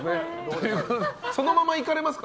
そのまま行かれます？